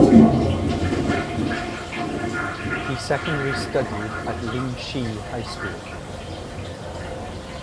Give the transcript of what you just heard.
He secondary studied at Lingxi High School.